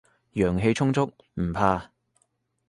陽氣充足，唔怕